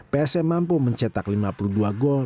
psm mampu mencetak lima puluh dua gol